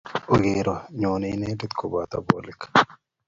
Ogeero, nyone inendet koboto bolik.